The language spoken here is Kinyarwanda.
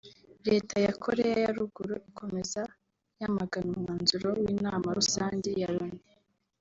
Leta ya Koreya ya Ruguru ikomeza yamagana umwanzuro w’inama rusange ya Loni